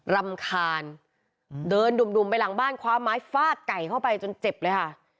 รำคาญเดินดุ่มไปหลังบ้านคว้าไม้ฟาดไก่เข้าไปจนเจ็บเลยค่ะ